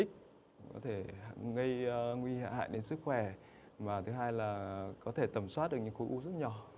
có thể gây nguy hại hại đến sức khỏe và thứ hai là có thể tầm soát được những khối u rất nhỏ